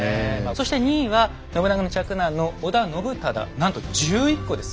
そして２位は信長の嫡男の織田信忠なんと１１個ですよ。